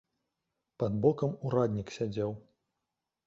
Пад бокам ураднік сядзеў.